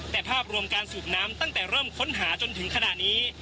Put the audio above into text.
แต่ภาพรวมการสูบน้ำตั้งแต่เริ่มค้นหาจนถึงขณะนี้